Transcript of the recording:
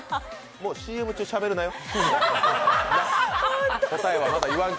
もうＣＭ中、しゃべるなよ。